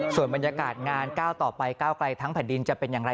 ส่วนบรรยากาศงาน๙ต่อไป๙ไกลทั้งผ่านดินจะเป็นอย่างไร